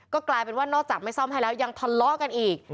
ก็กลายเป็นว่านอกจากไม่ซ่อมให้แล้วยังทะเลาะกันอีก